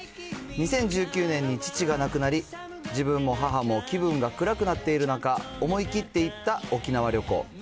２０１９年に父が亡くなり、自分も母も気分が暗くっている中、思い切って行った沖縄旅行。